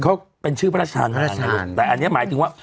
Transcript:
เขาเป็นชื่อพระรัชนาทานแต่อันนี้หมายถึงว่า